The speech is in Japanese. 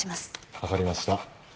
分かりました